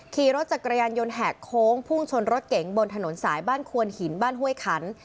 ขี่รถจักรยานยนต์แหกโค้งพุ่งชนรถเก๋งบนถนนสายบ้านควนหินบ้านห้วยขัน